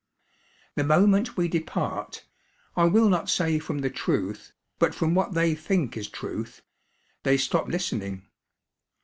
The moment we depart, I will not say from the truth, but from what they think is truth, they stop listening.